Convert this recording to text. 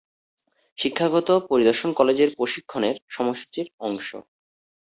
শিক্ষাগত পরিদর্শন কলেজে প্রশিক্ষণের সময়সূচীর অংশ।